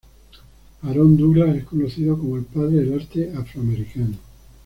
Aaron Douglas es conocido como el "Padre del Arte Afroamericano".